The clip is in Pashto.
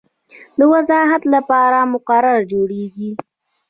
د وضاحت لپاره مقرره جوړیږي.